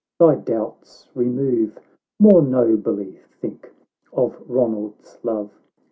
thy doubts remote, More nobly think of Ronald's love.